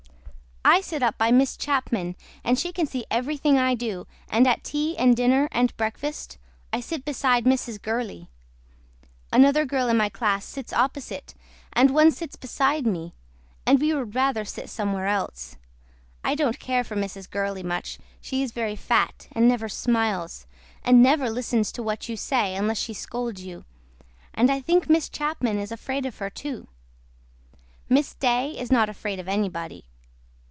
I SIT UP BY MISS CHAPMAN AND SHE CAN SEE EVERYTHING I DO AND AT TEA AND DINNER AND BREAKFAST I SIT BESIDE MRS. GURLEY. ANOTHER GIRL IN MY CLASS SITS OPPOSITE AND ONE SITS BESIDE ME AND WE WOULD RATHER SIT SOMEWHERE ELSE. I DON'T CARE FOR MRS. GURLEY MUCH SHE IS VERY FAT AND NEVER SMILES AND NEVER LISTENS TO WHAT YOU SAY UNLESS SHE SCOLDS YOU AND I THINK MISS CHAPMAN IS AFRAID OF HER TO. MISS DAY IS NOT AFRAID OF ANYBODY.